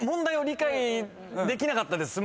できなかったです。